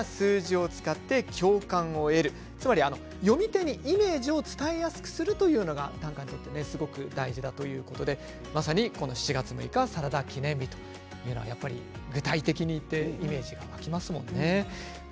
読み手にイメージを伝えやすくするというのが短歌にとってすごく大事だということでまさに七月六日はサラダ記念日というのは具体的にイメージが湧きますもんね。